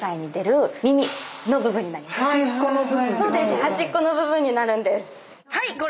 端っこの部分になるんです。